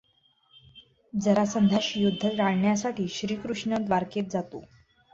जरासंधाशी युध्द टाळण्यासाठी श्रीकृष्ण द्वारकेत जातो.